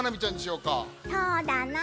そうだな。